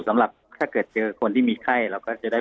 สำหรับถ้าเกิดเจอคนที่มีไข้เราก็จะได้